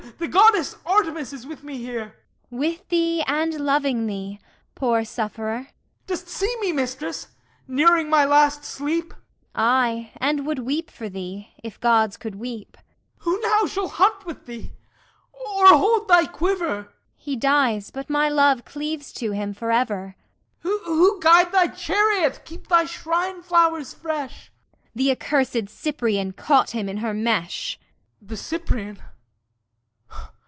The Goddess Artemis is with me here. ARTEMIS With thee and loving thee, poor sufferer! HIPPOLYTUS Dost see me, Mistress, nearing my last sleep? ARTEMIS Aye, and would weep for thee, if Gods could weep. HIPPOLYTUS Who now shall hunt with thee or hold thy quiver? ARTEMIS He dies but my love cleaves to him for ever. HIPPOLYTUS Who guide thy chariot, keep thy shrine flowers fresh? ARTEMIS The accursed Cyprian caught him in her mesh! HIPPOLYTUS The Cyprian?